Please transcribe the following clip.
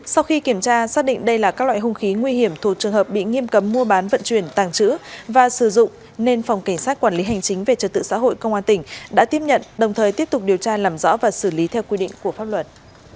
sau khi kiểm tra xác định đây là các loại hung khí nguy hiểm thuộc trường hợp bị nghiêm cấm mua bán vận chuyển tàng trữ và sử dụng nên phòng cảnh sát quản lý hành chính về trật tự xã hội công an tỉnh đã tiếp nhận đồng thời tiếp tục điều tra làm rõ và xử lý theo quy định của pháp luật